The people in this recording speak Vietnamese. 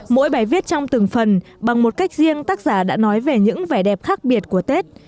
mỗi bài viết trong từng phần bằng một cách riêng tác giả đã nói về những vẻ đẹp khác biệt của tết